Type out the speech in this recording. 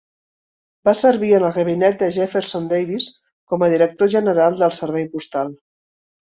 Va servir en el gabinet de Jefferson Davis com a director general del Servei Postal.